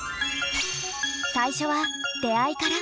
最初は出会いから。